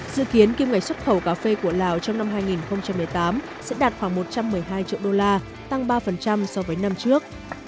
dự kiến kim ngạch xuất khẩu cà phê của lào trong năm hai nghìn một mươi tám sẽ đạt khoảng một trăm một mươi hai triệu đô la tăng ba so với năm trước